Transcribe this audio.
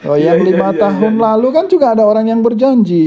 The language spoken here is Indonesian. oh yang lima tahun lalu kan juga ada orang yang berjanji